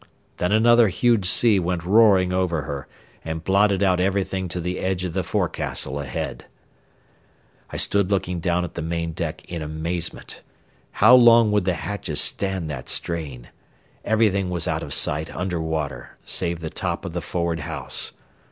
Then another huge sea went roaring over her and blotted out everything to the edge of the forecastle head. I stood looking down at the main deck in amazement. How long would the hatches stand that strain? Everything was out of sight under water, save the top of the forward house.